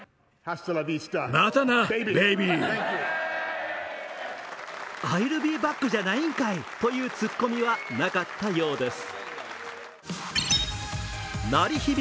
アイル・ビー・バックじゃないんかい！というツッコミはなかったようです。